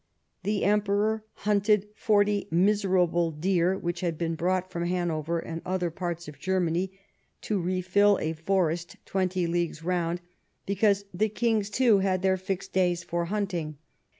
The Emperor hunted forty miserable deer which had been brought from Hanover and other parts of Germany to refill a forest twenty leagues round, because the kings too had their fixed days for hunting.